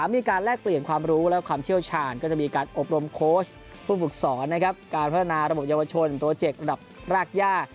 มีการแลกเปลี่ยนความรู้และความเชี่ยวชาญก็จะมีการอบรมโค้ชผู้ฝึกสอนการพัฒนาระบบเยาวชนโปรเจกต์ระดับรากย่า